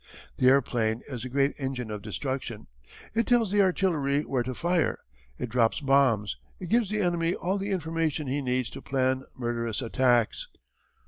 "The airplane is a great engine of destruction. It tells the artillery where to fire, it drops bombs, it gives the enemy all the information he needs to plan murderous attacks.